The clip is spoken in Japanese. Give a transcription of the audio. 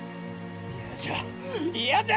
嫌じゃ嫌じゃ！